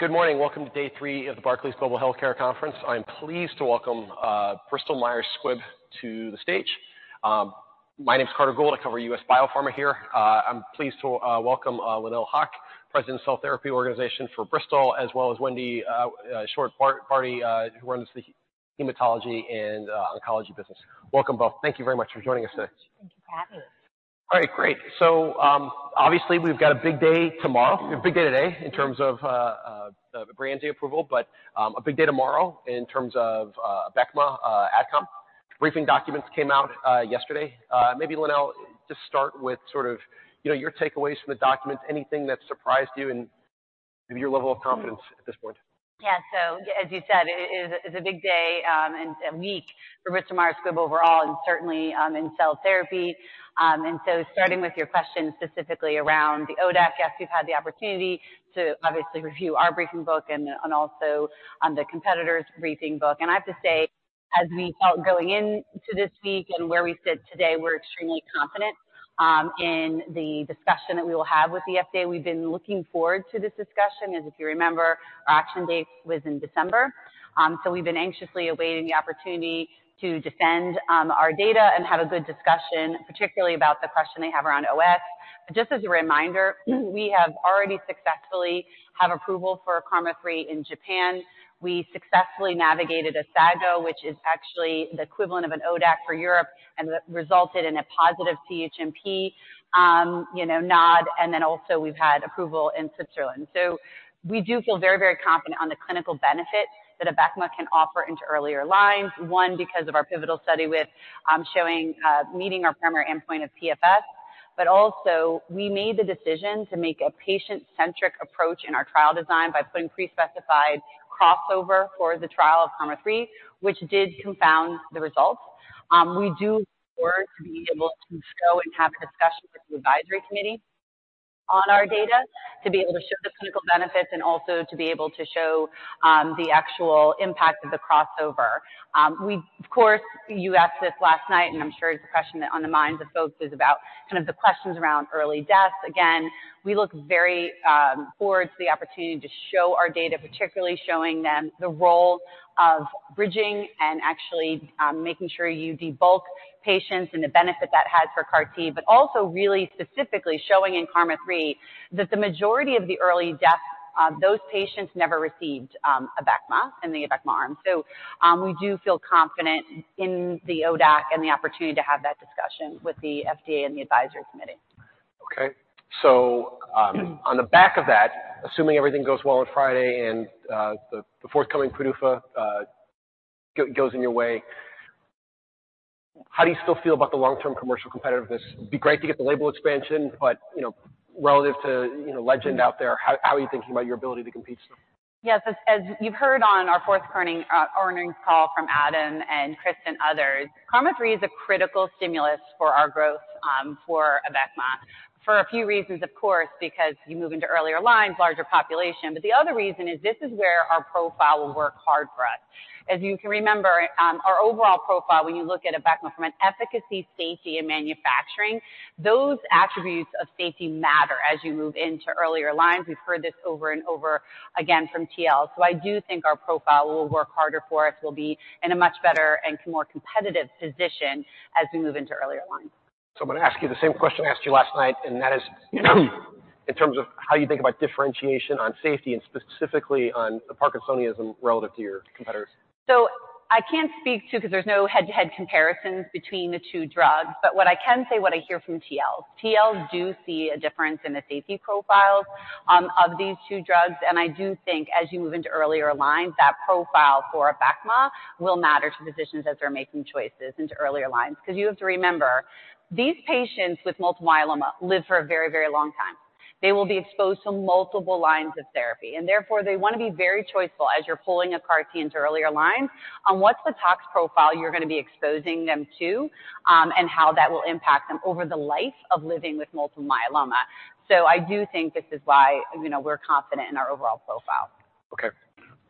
Good morning. Welcome to day three of the Barclays Global Healthcare Conference. I am pleased to welcome Bristol Myers Squibb to the stage. My name's Carter Gould. I cover U.S. biopharma here. I'm pleased to welcome Lynelle Hoch, President of Cell Therapy Organization for Bristol, as well as Wendy Short Bartie, who runs the hematology and oncology business. Welcome both. Thank you very much for joining us today. Thank you, Carter. All right. Great. So, obviously we've got a big day tomorrow, a big day today in terms of Breyanzi approval, but a big day tomorrow in terms of Abecma ODAC. Briefing documents came out yesterday. Maybe Lynelle, just start with sort of, you know, your takeaways from the documents, anything that surprised you, and maybe your level of confidence at this point. Yeah. So, as you said, it is a it's a big day, and a week for Bristol Myers Squibb overall, and certainly in cell therapy. So starting with your question specifically around the ODAC, yes, we've had the opportunity to obviously review our briefing book and also on the competitor's briefing book. And I have to say, as we felt going into this week and where we sit today, we're extremely confident in the discussion that we will have with the FDA. We've been looking forward to this discussion, as if you remember, our action date was in December. So we've been anxiously awaiting the opportunity to defend our data and have a good discussion, particularly about the question they have around OS. But just as a reminder, we have already successfully had approval for KarMMa-3 in Japan. We successfully navigated a SAG-O, which is actually the equivalent of an ODAC for Europe, and that resulted in a positive CHMP, you know, nod, and then also we've had approval in Switzerland. So we do feel very, very confident on the clinical benefit that Abecma can offer into earlier lines, one, because of our pivotal study with, showing, meeting our primary endpoint of PFS, but also we made the decision to make a patient-centric approach in our trial design by putting prespecified crossover for the trial of KarMMa-3, which did confound the results. We do look forward to being able to go and have a discussion with the advisory committee on our data, to be able to show the clinical benefits, and also to be able to show, the actual impact of the crossover. We, of course, you asked this last night, and I'm sure it's a question that on the minds of folks is about kind of the questions around early deaths. Again, we look very forward to the opportunity to show our data, particularly showing them the role of bridging and actually making sure you debulk patients and the benefit that has for CAR-T, but also really specifically showing in KarMMa-3 that the majority of the early deaths, those patients never received a Abecma in the Abecma arm. So, we do feel confident in the ODAC and the opportunity to have that discussion with the FDA and the advisory committee. Okay. So, on the back of that, assuming everything goes well on Friday and the forthcoming PDUFA goes in your way, how do you still feel about the long-term commercial competitiveness? It'd be great to get the label expansion, but, you know, relative to, you know, Legend out there, how are you thinking about your ability to compete still? Yes. As you've heard on our forthcoming earnings call from Adam and Chris and others, KarMMa-3 is a critical stimulus for our growth for Abecma for a few reasons, of course, because you move into earlier lines, larger population. But the other reason is this is where our profile will work hard for us. As you can remember, our overall profile, when you look at Abecma from an efficacy, safety, and manufacturing, those attributes of safety matter as you move into earlier lines. We've heard this over and over again from TLs. So I do think our profile will work harder for us. We'll be in a much better and more competitive position as we move into earlier lines. So I'm gonna ask you the same question I asked you last night, and that is in terms of how you think about differentiation on safety and specifically on the Parkinsonism relative to your competitors. So I can't speak to 'cause there's no head-to-head comparisons between the two drugs, but what I can say, what I hear from TL, TL do see a difference in the safety profiles, of these two drugs. And I do think, as you move into earlier lines, that profile for a Abecma will matter to physicians as they're making choices into earlier lines. 'Cause you have to remember, these patients with multiple myeloma live for a very, very long time. They will be exposed to multiple lines of therapy, and therefore they wanna be very choiceful as you're pulling a CAR-T into earlier lines on what's the tox profile you're gonna be exposing them to, and how that will impact them over the life of living with multiple myeloma. So I do think this is why, you know, we're confident in our overall profile. Okay.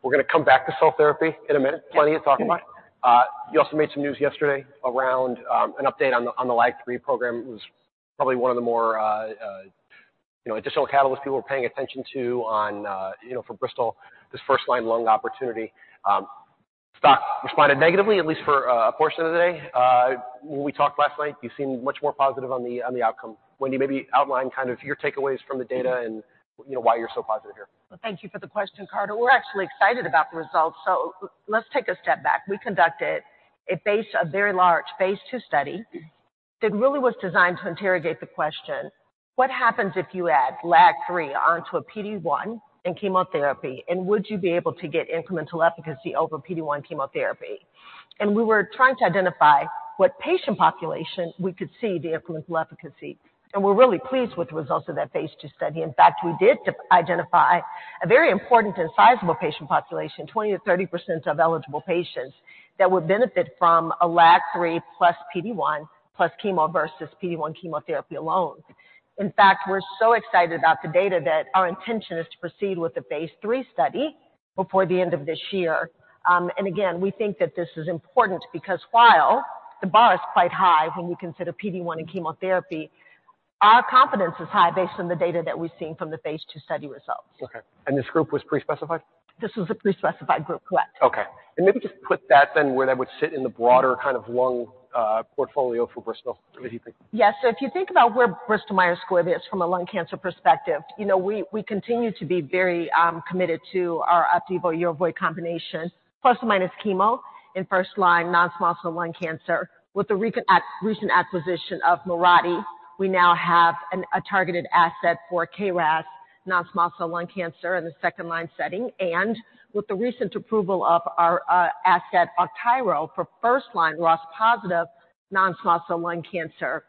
We're gonna come back to cell therapy in a minute. Plenty to talk about. Yeah. You also made some news yesterday around an update on the TIGIT program. It was probably one of the more, you know, additional catalysts people were paying attention to on, you know, for Bristol, this first-line lung opportunity. Stock responded negatively, at least for a portion of the day. When we talked last night, you seemed much more positive on the outcome. Wendy, maybe outline kind of your takeaways from the data and, you know, why you're so positive here. Well, thank you for the question, Carter. We're actually excited about the results. Let's take a step back. We conducted a very large phase II study that really was designed to interrogate the question, "What happens if you add LAG-3 onto a PD-1 in chemotherapy, and would you be able to get incremental efficacy over PD-1 chemotherapy?" We were trying to identify what patient population we could see the incremental efficacy, and we're really pleased with the results of that phase II study. In fact, we did identify a very important and sizable patient population, 20%-30% of eligible patients, that would benefit from a LAG-3 plus PD-1 plus chemo versus PD-1 chemotherapy alone. In fact, we're so excited about the data that our intention is to proceed with a phase III study before the end of this year. and again, we think that this is important because while the bar is quite high when you consider PD-1 in chemotherapy, our confidence is high based on the data that we've seen from the phase II study results. Okay. And this group was prespecified? This was a prespecified group, correct? Okay. And maybe just put that then where that would sit in the broader kind of lung portfolio for Bristol. What do you think? Yeah. So if you think about where Bristol Myers Squibb is from a lung cancer perspective, you know, we continue to be very committed to our Opdivo /Yervoy combination, plus or minus chemo in first-line, non-small cell lung cancer. With the recent acquisition of Mirati, we now have a targeted asset for KRAS non-small cell lung cancer in the second-line setting. And with the recent approval of our asset, Augtyro, for first-line, ROS-positive non-small cell lung cancer,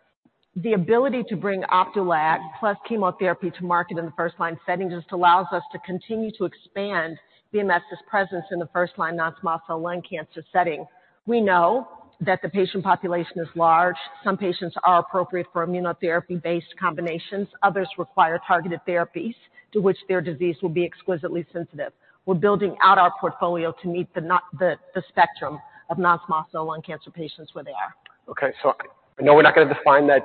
the ability to bring Opdivo plus chemotherapy to market in the first-line setting just allows us to continue to expand BMS's presence in the first-line, non-small cell lung cancer setting. We know that the patient population is large. Some patients are appropriate for immunotherapy-based combinations. Others require targeted therapies to which their disease will be exquisitely sensitive. We're building out our portfolio to meet the spectrum of non-small cell lung cancer patients where they are. Okay. So I know we're not gonna define that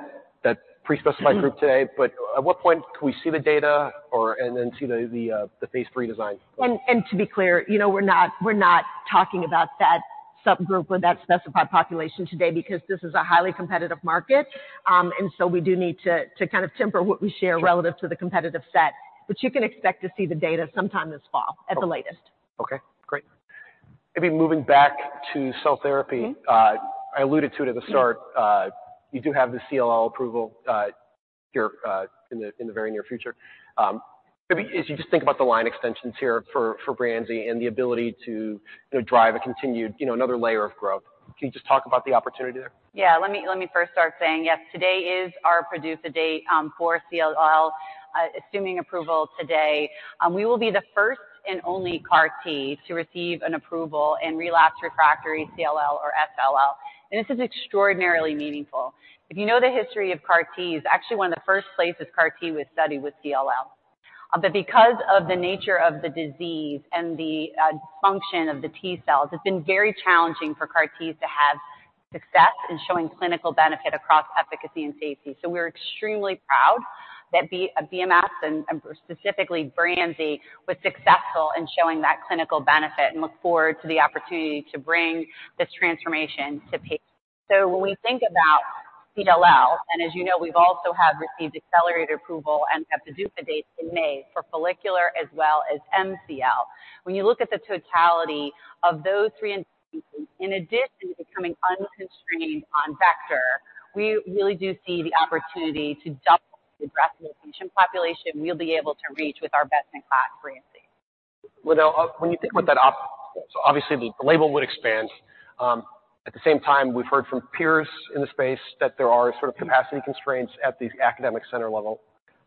prespecified group today, but at what point can we see the data or and then see the phase III design? And to be clear, you know, we're not talking about that subgroup or that specified population today because this is a highly competitive market. And so we do need to kind of temper what we share relative to the competitive set. But you can expect to see the data sometime this fall at the latest. Okay. Okay. Great. Maybe moving back to cell therapy. Mm-hmm. I alluded to it at the start. You do have the CLL approval here in the very near future. Maybe as you just think about the line extensions here for Breyanzi and the ability to, you know, drive a continued, you know, another layer of growth, can you just talk about the opportunity there? Yeah. Let me let me first start saying, yes, today is our PDUFA date for CLL, assuming approval today. We will be the first and only CAR-T to receive an approval in relapse refractory CLL or SLL. And this is extraordinarily meaningful. If you know the history of CAR-T, it's actually one of the first places CAR-T was studied with CLL. But because of the nature of the disease and the dysfunction of the T cells, it's been very challenging for CAR-T to have success in showing clinical benefit across efficacy and safety. So we're extremely proud that BMS and, and specifically Breyanzi was successful in showing that clinical benefit and look forward to the opportunity to bring this transformation to patients. When we think about CLL, and as you know, we've also had received accelerated approval and have PDUFA dates in May for follicular as well as MCL. When you look at the totality of those three indices in addition to becoming unconstrained on vector, we really do see the opportunity to double the addressable patient population we'll be able to reach with our best-in-class Breyanzi. Well, now, when you think about that op so obviously the label would expand. At the same time, we've heard from peers in the space that there are sort of capacity constraints at the academic center level.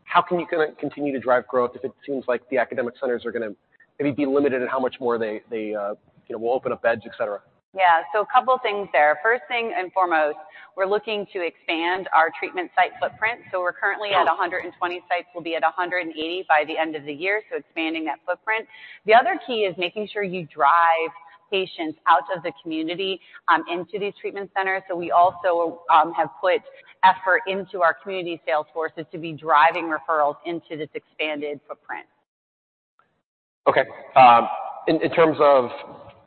How can you kinda continue to drive growth if it seems like the academic centers are gonna maybe be limited in how much more they you know will open up beds, etc.? Yeah. So a couple things there. First thing and foremost, we're looking to expand our treatment site footprint. So we're currently at 120 sites. We'll be at 180 by the end of the year, so expanding that footprint. The other key is making sure you drive patients out of the community, into these treatment centers. So we also have put effort into our community sales forces to be driving referrals into this expanded footprint. Okay. In terms of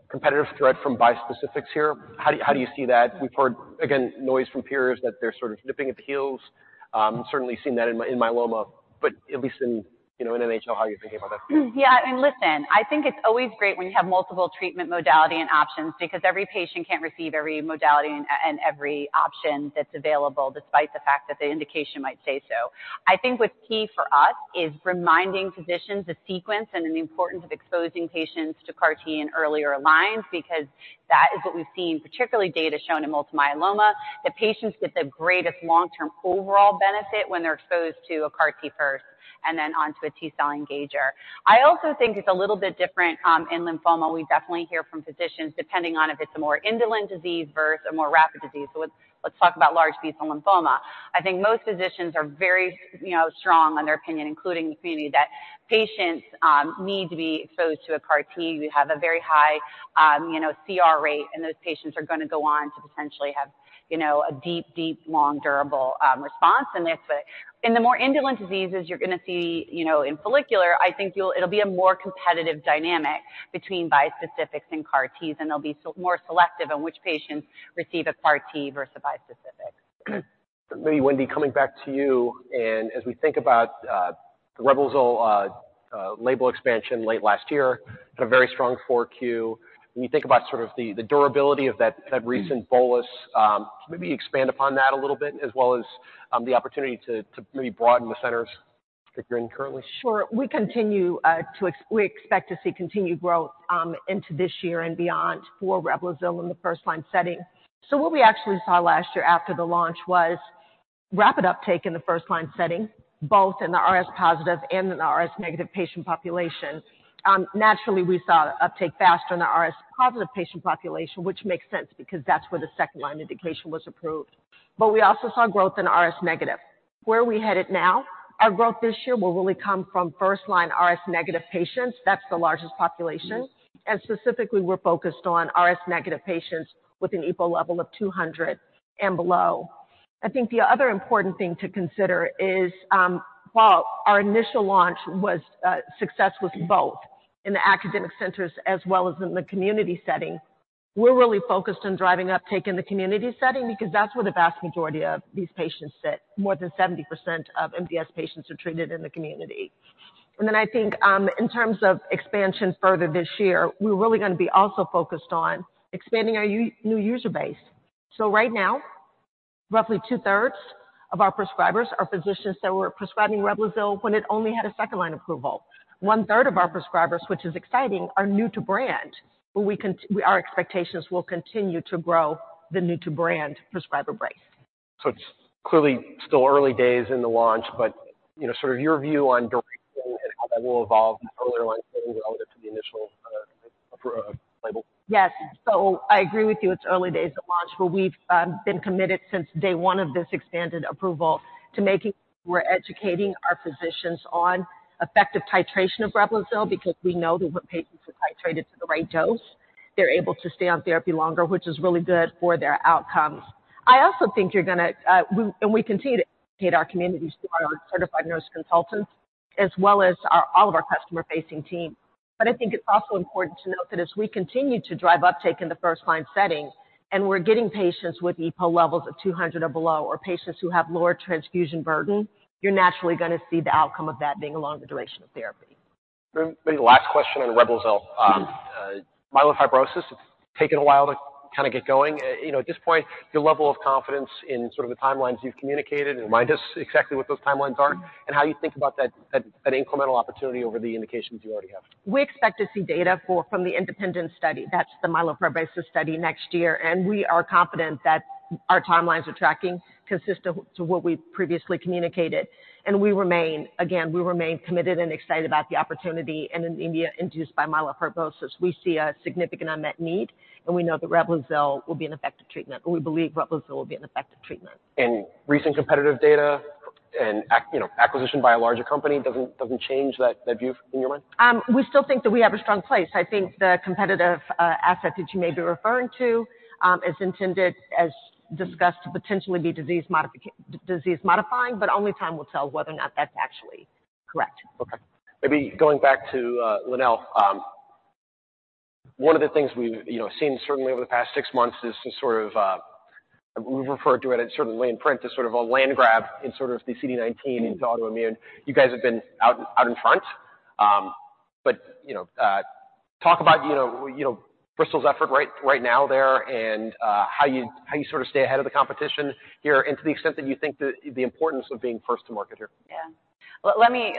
competitive threat from bispecifics here, how do you see that? We've heard, again, noise from peers that they're sort of nipping at the heels. Certainly seen that in myeloma, but at least in, you know, in NHL, how are you thinking about that? Yeah. And listen, I think it's always great when you have multiple treatment modality and options because every patient can't receive every modality and every option that's available despite the fact that the indication might say so. I think what's key for us is reminding physicians of sequence and the importance of exposing patients to CAR-T in earlier lines because that is what we've seen, particularly data shown in multiple myeloma, that patients get the greatest long-term overall benefit when they're exposed to a CAR-T first and then onto a T cell engager. I also think it's a little bit different in lymphoma. We definitely hear from physicians depending on if it's a more indolent disease versus a more rapid disease. So let's talk about large B cell lymphoma. I think most physicians are very, you know, strong on their opinion, including the community, that patients need to be exposed to a CAR-T. You have a very high, you know, CR rate, and those patients are gonna go on to potentially have, you know, a deep, deep, long-durable response. And that's what in the more indolent diseases you're gonna see, you know, in follicular. I think you'll see it'll be a more competitive dynamic between bispecifics and CAR-Ts, and they'll be so more selective in which patients receive a CAR-T versus bispecifics. Maybe, Wendy, coming back to you, and as we think about the Reblozyl label expansion late last year, had a very strong 4Q. When you think about sort of the, the durability of that, that recent bolus, can you maybe expand upon that a little bit as well as the opportunity to, to maybe broaden the centers that you're in currently? Sure. We continue to expect to see continued growth into this year and beyond for Reblozyl in the first-line setting. So what we actually saw last year after the launch was rapid uptake in the first-line setting, both in the RS-positive and in the RS-negative patient population. Naturally, we saw uptake faster in the RS-positive patient population, which makes sense because that's where the second-line indication was approved. But we also saw growth in RS-negative. Where are we headed now? Our growth this year will really come from first-line RS-negative patients. That's the largest population. And specifically, we're focused on RS-negative patients with an EPO level of 200 and below. I think the other important thing to consider is while our initial launch success was both in the academic centers as well as in the community setting, we're really focused on driving uptake in the community setting because that's where the vast majority of these patients sit. More than 70% of MDS patients are treated in the community. I think, in terms of expansion further this year, we're really gonna be also focused on expanding our new user base. So right now, roughly two-thirds of our prescribers are physicians that were prescribing Reblozyl when it only had a second-line approval. One-third of our prescribers, which is exciting, are new to brand, where we can exceed our expectations will continue to grow the new-to-brand prescriber base. So it's clearly still early days in the launch, but, you know, sort of your view on direction and how that will evolve in earlier line settings relative to the initial, approved label? Yes. So I agree with you. It's early days of launch, but we've been committed since day one of this expanded approval to making sure we're educating our physicians on effective titration of Reblozyl because we know that when patients are titrated to the right dose, they're able to stay on therapy longer, which is really good for their outcomes. I also think we continue to educate our community through our certified nurse consultants as well as all of our customer-facing team. But I think it's also important to note that as we continue to drive uptake in the first-line setting and we're getting patients with EPO levels of 200 or below or patients who have lower transfusion burden, you're naturally gonna see the outcome of that being along the duration of therapy. Maybe last question on Reblozyl. Myelofibrosis, it's taken a while to kinda get going. You know, at this point, your level of confidence in sort of the timelines you've communicated and remind us exactly what those timelines are and how you think about that incremental opportunity over the indications you already have. We expect to see data from the independent study. That's the myelofibrosis study next year. We are confident that our timelines we're tracking consistent with what we previously communicated. We remain again, we remain committed and excited about the opportunity and unmet need induced by myelofibrosis. We see a significant unmet need, and we know that Reblozyl will be an effective treatment. We believe Reblozyl will be an effective treatment. Recent competitive data and, you know, acquisition by a larger company doesn't change that view in your mind? We still think that we have a strong place. I think the competitive asset that you may be referring to is intended, as discussed, to potentially be disease modifying, but only time will tell whether or not that's actually correct. Okay. Maybe going back to Lynelle, one of the things we've, you know, seen certainly over the past six months is to sort of, we've referred to it at certainly in print as sort of a land grab in sort of the CD19 into autoimmune. You guys have been out, out in front. But, you know, talk about, you know, you know, Bristol's effort right, right now there and, how you how you sort of stay ahead of the competition here and to the extent that you think the, the importance of being first to market here. Yeah. Let me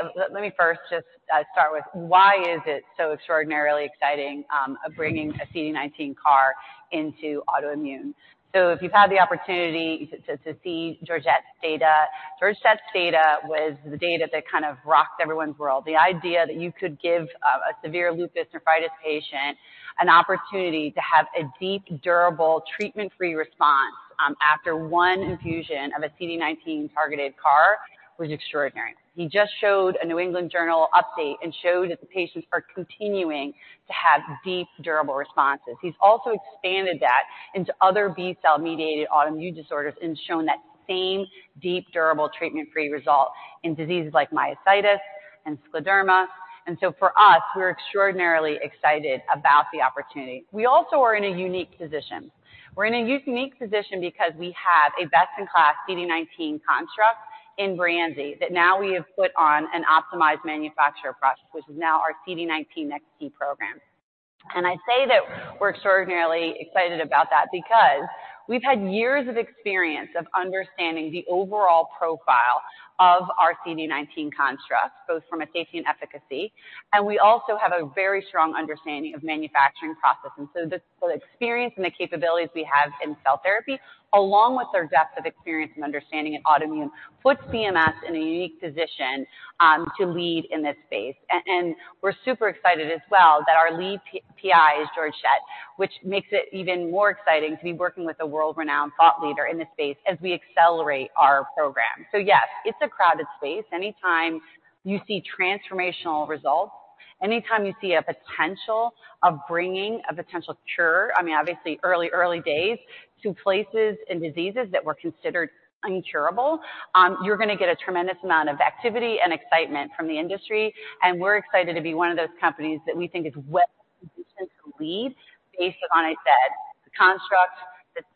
first just start with why it is so extraordinarily exciting of bringing a CD19 CAR into autoimmune. So if you've had the opportunity to see Georg's data, Georg's data was the data that kind of rocked everyone's world. The idea that you could give a severe lupus nephritis patient an opportunity to have a deep, durable treatment-free response after one infusion of a CD19-targeted CAR was extraordinary. He just showed a New England Journal update and showed that the patients are continuing to have deep, durable responses. He's also expanded that into other B cell-mediated autoimmune disorders and shown that same deep, durable treatment-free result in diseases like myositis and scleroderma. And so for us, we're extraordinarily excited about the opportunity. We also are in a unique position. We're in a unique position because we have a best-in-class CD19 construct in Breyanzi that now we have put on an optimized manufacturing process, which is now our CD19 NEX-T program. And I say that we're extraordinarily excited about that because we've had years of experience of understanding the overall profile of our CD19 construct, both from a safety and efficacy. And we also have a very strong understanding of manufacturing process. And so the experience and the capabilities we have in cell therapy, along with their depth of experience and understanding in autoimmune, puts BMS in a unique position to lead in this space. And we're super excited as well that our lead PI is Georg Schett, which makes it even more exciting to be working with a world-renowned thought leader in this space as we accelerate our program. So yes, it's a crowded space. Anytime you see transformational results, anytime you see a potential of bringing a potential cure—I mean, obviously, early, early days—to places and diseases that were considered incurable, you're gonna get a tremendous amount of activity and excitement from the industry. And we're excited to be one of those companies that we think is well positioned to lead based upon, as I said, the construct,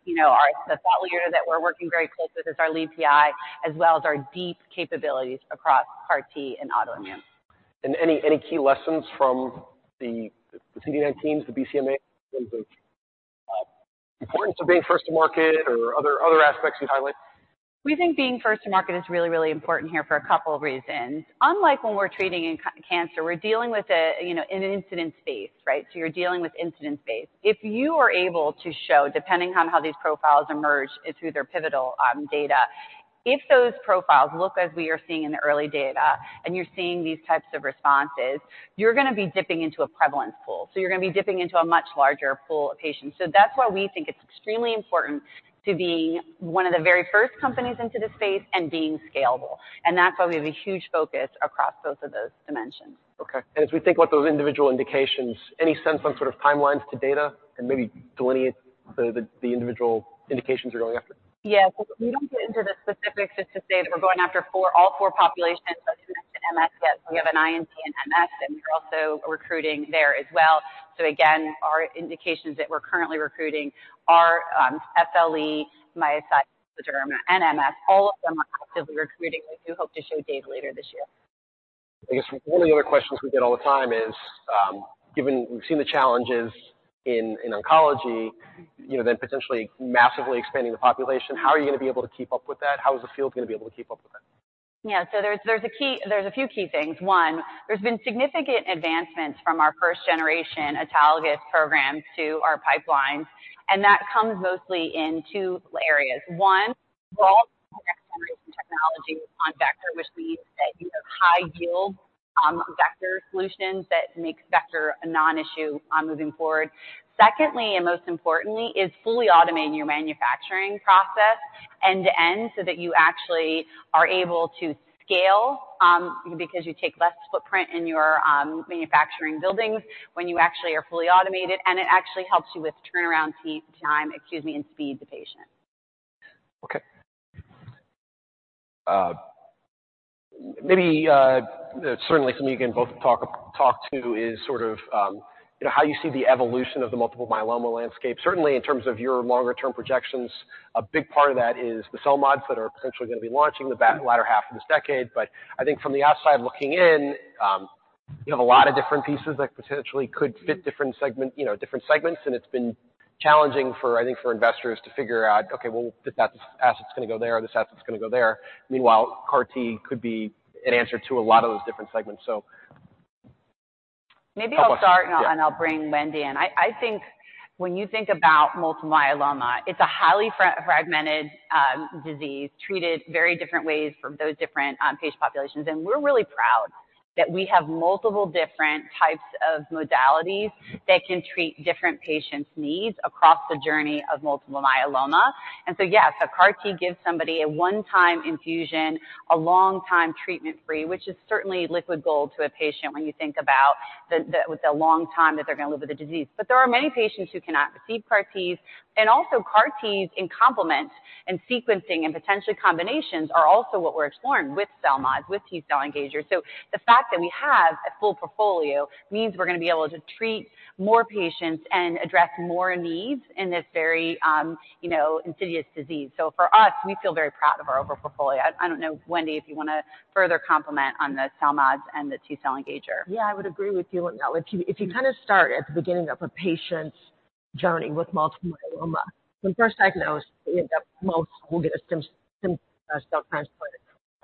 you know, our thought leader that we're working very closely with is our lead PI, as well as our deep capabilities across CAR-T and autoimmune. Any key lessons from the CD19s, the BCMA in terms of importance of being first to market or other aspects you'd highlight? We think being first to market is really, really important here for a couple reasons. Unlike when we're treating in cancer, we're dealing with a, you know, an incidence space, right? So you're dealing with incidence space. If you are able to show, depending on how these profiles emerge through their pivotal data, if those profiles look as we are seeing in the early data and you're seeing these types of responses, you're gonna be dipping into a prevalence pool. So you're gonna be dipping into a much larger pool of patients. So that's why we think it's extremely important to being one of the very first companies into this space and being scalable. And that's why we have a huge focus across both of those dimensions. Okay. As we think about those individual indications, any sense on sort of timelines to data and maybe delineate the individual indications you're going after? Yes. We don't get into the specifics just to say that we're going after for all four populations. I didn't mention MS yet. We have an IND in MS, and we're also recruiting there as well. So again, our indications that we're currently recruiting are SLE, myositis, scleroderma, and MS. All of them are actively recruiting. We do hope to show data later this year. I guess one of the other questions we get all the time is, given we've seen the challenges in oncology, you know, then potentially massively expanding the population, how are you gonna be able to keep up with that? How is the field gonna be able to keep up with that? Yeah. So there's a few key things. One, there's been significant advancements from our first-generation autologous program to our pipelines. And that comes mostly in two areas. One, we're all using next-generation technology on vector, which means that you have high-yield, vector solutions that make vector a non-issue, moving forward. Secondly, and most importantly, is fully automating your manufacturing process end-to-end so that you actually are able to scale, because you take less footprint in your manufacturing buildings when you actually are fully automated. And it actually helps you with turnaround time, excuse me, and speed to patient. Okay. Maybe, certainly, something you can both talk about is sort of, you know, how you see the evolution of the multiple myeloma landscape. Certainly, in terms of your longer-term projections, a big part of that is the cell mods that are potentially gonna be launching the latter half of this decade. But I think from the outside looking in, you have a lot of different pieces that potentially could fit different segment you know, different segments. And it's been challenging for, I think, for investors to figure out, "Okay. Well, if that's this asset's gonna go there, this asset's gonna go there." Meanwhile, CAR-T could be an answer to a lot of those different segments. So. Maybe I'll start. I'll start. And I'll bring Wendy in. I think when you think about multiple myeloma, it's a highly fragmented disease treated very different ways for those different patient populations. We're really proud that we have multiple different types of modalities that can treat different patients' needs across the journey of multiple myeloma. And so yes, a CAR-T gives somebody a one-time infusion, a long-time treatment-free, which is certainly liquid gold to a patient when you think about the with the long time that they're gonna live with the disease. But there are many patients who cannot receive CAR-Ts. Also, CAR-Ts in complements and sequencing and potentially combinations are also what we're exploring with cell mods, with T-cell engagers. So the fact that we have a full portfolio means we're gonna be able to treat more patients and address more needs in this very, you know, insidious disease. So for us, we feel very proud of our overall portfolio. I, I don't know, Wendy, if you wanna further comment on the CELMoDs and the T-cell engager. Yeah. I would agree with you, Lynelle. If you kinda start at the beginning of a patient's journey with multiple myeloma, when first diagnosed, they end up most will get a stem cell transplant.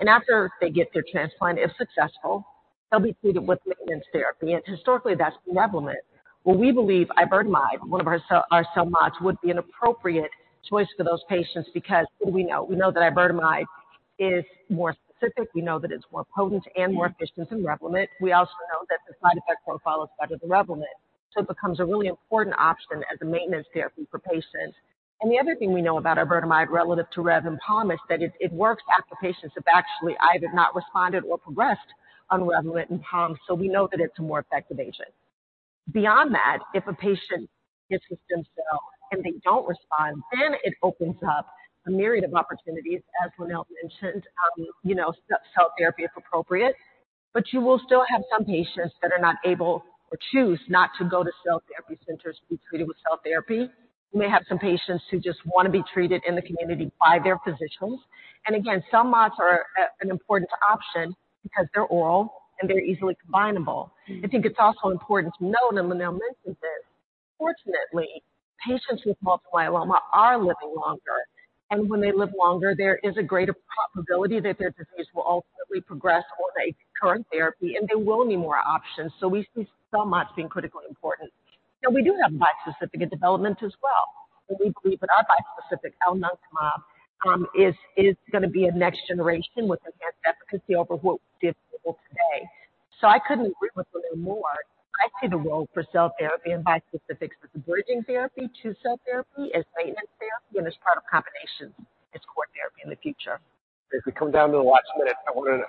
And after they get their transplant, if successful, they'll be treated with maintenance therapy. And historically, that's been Revlimid. Well, we believe iberdomide, one of our CELMoDs, would be an appropriate choice for those patients because what do we know? We know that iberdomide is more specific. We know that it's more potent and more efficient than Revlimid. We also know that the side effect profile is better than Revlimid. So it becomes a really important option as a maintenance therapy for patients. The other thing we know about iberdomide relative to Rev and Pom is that it works after patients have actually either not responded or progressed on Revlimid and Pom. So we know that it's a more effective agent. Beyond that, if a patient gets the stem cell and they don't respond, then it opens up a myriad of opportunities, as Lynelle mentioned, you know, cell therapy if appropriate. But you will still have some patients that are not able or choose not to go to cell therapy centers to be treated with cell therapy. You may have some patients who just wanna be treated in the community by their physicians. And again, CELMoDs are an important option because they're oral, and they're easily combinable. I think it's also important to note, and Lynelle mentioned this, fortunately, patients with multiple myeloma are living longer. When they live longer, there is a greater probability that their disease will ultimately progress on a current therapy, and they will need more options. We see CELMoDs being critically important. Now, we do have bispecific development as well. We believe that our bispecific alnuctamab is gonna be a next generation with enhanced efficacy over what we did today. I couldn't agree with Lynelle more. I see the role for cell therapy and bispecifics as a bridging therapy to cell therapy, as maintenance therapy, and as part of combinations, as core therapy in the future. As we come down to the last minute, I want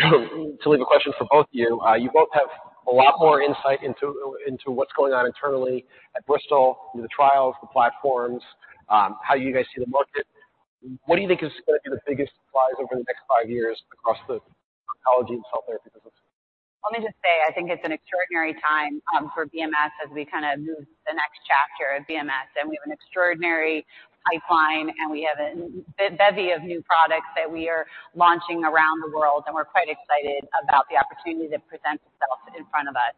to leave a question for both of you. You both have a lot more insight into, into what's going on internally at Bristol, into the trials, the platforms, how you guys see the market. What do you think is gonna be the biggest surprises over the next five years across the oncology and cell therapy business? Let me just say, I think it's an extraordinary time for BMS as we kinda move the next chapter of BMS. And we have an extraordinary pipeline, and we have a bevy of new products that we are launching around the world. And we're quite excited about the opportunity that presents itself in front of us.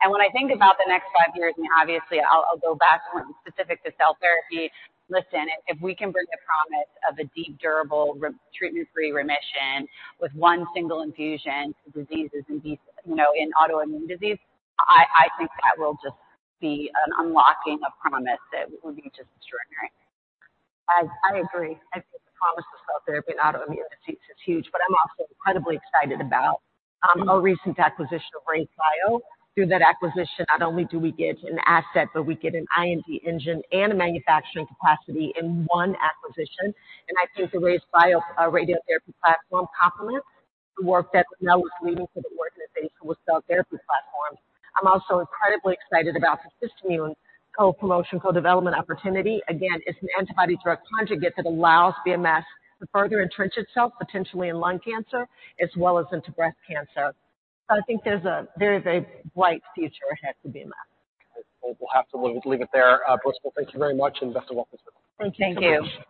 And when I think about the next five years - and obviously, I'll go back specific to cell therapy - listen, if we can bring the promise of a deep, durable treatment-free remission with one single infusion to diseases in B you know, in autoimmune disease, I think that will just be an unlocking of promise that would be just extraordinary. I, I agree. I think the promise of cell therapy and autoimmune disease is huge. But I'm also incredibly excited about our recent acquisition of RayzeBio. Through that acquisition, not only do we get an asset, but we get an IND engine and a manufacturing capacity in one acquisition. And I think the RayzeBio radiotherapy platform complements the work that Lynelle was leading for the organization with cell therapy platforms. I'm also incredibly excited about the SystImmune co-promotion, co-development opportunity. Again, it's an antibody-drug conjugate that allows BMS to further entrench itself potentially in lung cancer as well as into breast cancer. So I think there's a very, very bright future ahead for BMS. All right. Well, we'll have to leave it there. Bristol, thank you very much, and best of luck with it. Thank you. Thank you.